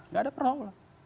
nggak ada perang lah